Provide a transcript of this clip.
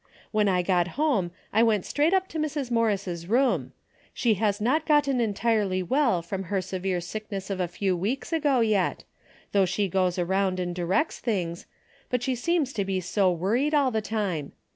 When I got home I went straight up to Mrs. Morris' room. She has not gotten entirely well from her severe sickness of a few weeks ago yet, though she goes around and directs things, but she seems to be so worried all the time.